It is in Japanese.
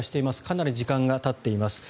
かなり時間がたっています。